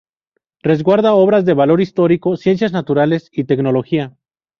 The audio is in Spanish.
Resguarda obras de valor histórico, ciencias naturales y tecnología.